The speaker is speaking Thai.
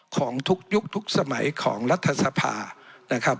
ของทุกยุคทุกสมัยของรัฐสภานะครับ